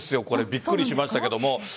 これびっくりしましたけれども。